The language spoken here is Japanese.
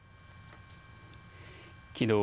きのう